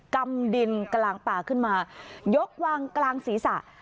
กำดินกลางป่าขึ้นมายกวางกลางศีรษะ